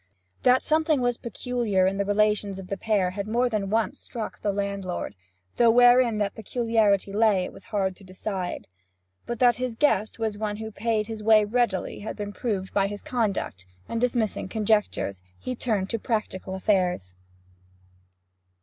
That something was peculiar in the relations of the pair had more than once struck the landlord, though wherein that peculiarity lay it was hard to decide. But that his guest was one who paid his way readily had been proved by his conduct, and dismissing conjectures, he turned to practical affairs.